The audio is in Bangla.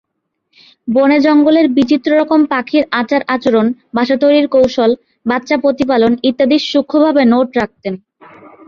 বনে জঙ্গলের বিচিত্র রকমের পাখির আচার আচরণ, বাসা তৈরির কৌশল, বাচ্চা প্রতিপালন ইত্যাদির সূক্ষ্মভাবে নোট রাখতেন।